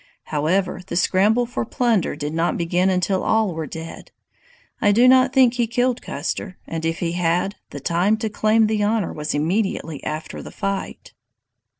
However, the scramble for plunder did not begin until all were dead. I do not think he killed Custer, and if he had, the time to claim the honor was immediately after the fight.